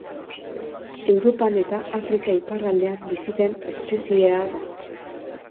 Europan eta Afrika iparraldean bizi den espeziea da.